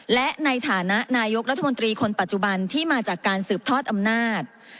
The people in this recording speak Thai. และในฐานะนายกรัฐมนตรีคนปัจจุบันที่มาจากการสืบทอดอำนาจ